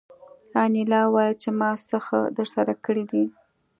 انیلا وویل چې ما څه ښه درسره کړي دي